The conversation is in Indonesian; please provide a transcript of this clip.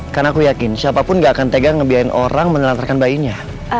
karena aku yakin siapapun gak akan tegang ngebiarin orang menelantarkan bayinya